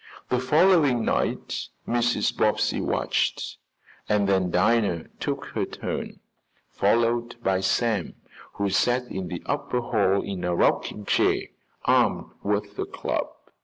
The following night Mrs. Bobbsey watched, and then Dinah took her turn, followed by Sam, who sat in the upper hall in a rocking chair, armed with a club.